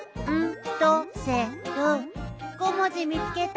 ５もじみつけた！